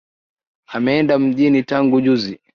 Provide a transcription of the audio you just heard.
Ameenda mjini tangu juzi.